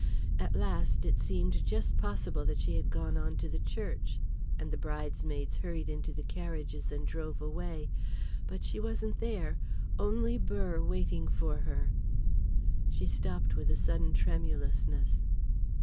At last, it seemed just possible that she had gone on to the church, and the bridesmaids hurried into the carriages and drove away but she wasn't there only Burr waiting for her " She stopped with a sudden tremulousness.